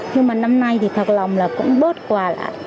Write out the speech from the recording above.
nhưng mà năm nay thì thật lòng là cũng bớt quà lại